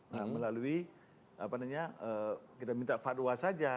nah melalui apa namanya kita minta fatwa saja